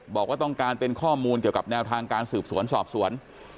บอกว่าต้องการเป็นข้อมูลเกี่ยวกับแนวทางการสืบสวนสอบสวน